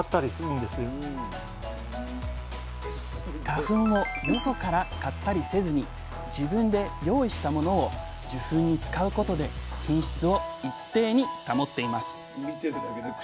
花粉をよそから買ったりせずに自分で用意したものを受粉に使うことで品質を一定に保っています。